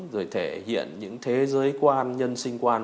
rồi thể hiện những thế giới quan nhân sinh quan